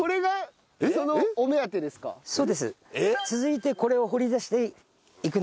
続いてこれを掘り出していくんです。